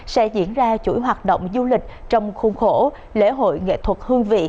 sẽ diễn ra chuỗi hoạt động du lịch trong khuôn khổ lễ hội nghệ thuật hương vị